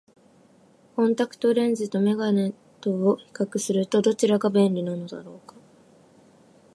コンタクトレンズと眼鏡とを比較すると、どちらが便利なのだろうか。